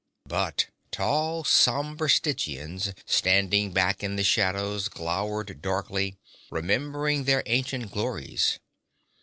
But tall, somber Stygians, standing back in the shadows, glowered darkly, remembering their ancient glories.